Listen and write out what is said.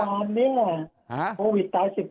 นกผลวานเนี่ยโควิดตาย๑๗แล้ว